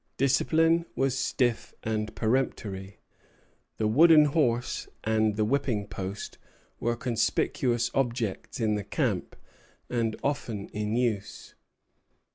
Discipline was stiff and peremptory. The wooden horse and the whipping post were conspicuous objects in the camp, and often in use.